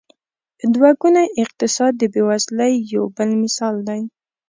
دوه ګونی اقتصاد د بېوزلۍ یو بل مثال دی.